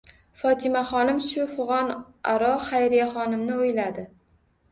Fotimaxonim shu fig'on aro Xayriyaxonimni o'yladi.